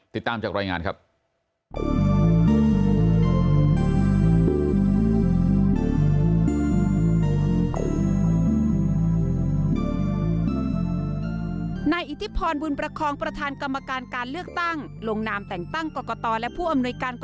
ติดตามจากรายงานครับ